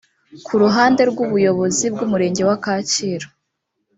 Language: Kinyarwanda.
Ku ruhande rw’ubuyobozi bw’Umurenge wa Kacyiru